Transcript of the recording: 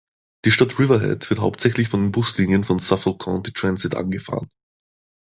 Die Stadt Riverhead wird hauptsächlich von den Buslinien von Suffolk County Transit angefahren.